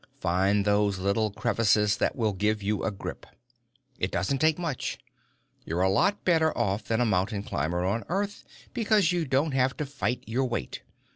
Find those little crevices that will give you a grip. It doesn't take much. You're a lot better off than a mountain climber on Earth because you don't have to fight your weight.